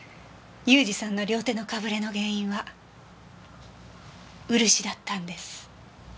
雄二さんの両手のかぶれの原因は漆だったんです。